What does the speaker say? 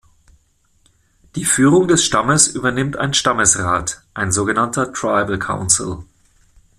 Die Führung des Stammes übernimmt ein Stammesrat, ein so genannter Tribal Council.